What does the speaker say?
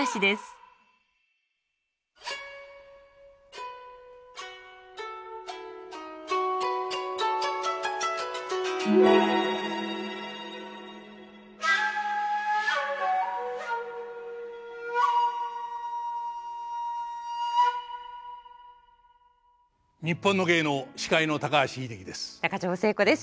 「にっぽんの芸能」司会の高橋英樹です。